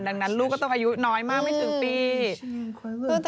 ดังนั้นลูกก็ต้องอายุน้อยมากไม่ถึงปี